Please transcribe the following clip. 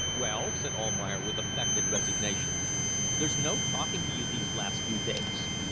well!" said Almayer, with affected resignation. "There's no talking to you these last few days."